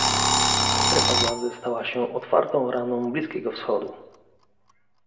Strefa Gazy stała się otwartą raną Bliskiego Wschodu